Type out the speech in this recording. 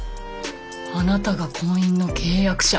あなたが婚姻の契約者？